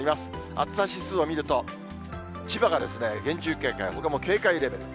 暑さ指数を見ると、千葉が厳重警戒、ほかも警戒レベル。